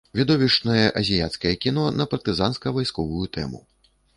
Відовішчнае азіяцкае кіно на партызанска-вайсковую тэму.